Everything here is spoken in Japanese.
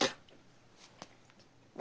何？